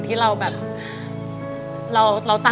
กลับเลย